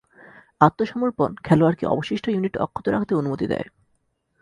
আত্মসমর্পণ খেলোয়াড়কে অবশিষ্ট ইউনিট অক্ষত রাখতে অনুমতি দেয়।